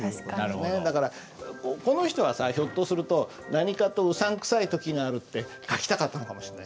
だからこの人はさひょっとすると「なにかと、うさん臭い時がある」って書きたかったのかもしれない。